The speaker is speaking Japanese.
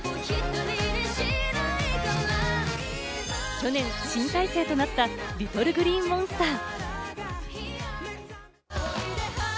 去年、新体制となったＬｉｔｔｌｅＧｌｅｅＭｏｎｓｔｅｒ。